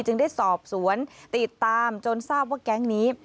ได้สอบสวนติดตามจนทราบว่าแก๊งนี้